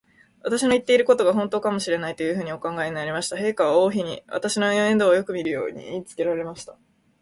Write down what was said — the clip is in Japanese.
私たちの言ってることが、ほんとかもしれない、というふうにお考えになりました。陛下は王妃に、私の面倒をよくみるように言いつけられました。